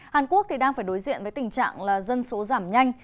hàn quốc đang phải đối diện với tình trạng là dân số giảm nhanh